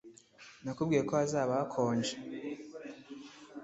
Nakubwiye ko hazaba hakonje